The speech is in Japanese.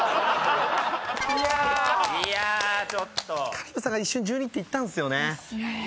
香里武さんが一瞬１２って言ったんですよね。